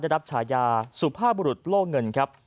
ได้รับฉายาสุภาพบุรุษโล่เงินครับ